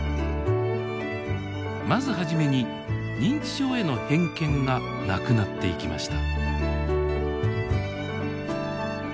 まず初めに認知症への偏見がなくなっていきました。